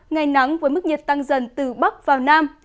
ngày nắng với mức nhiệt tăng dần từ bắc vào nam